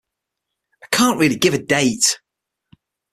I can't really give a date.